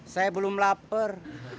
saya belum lapar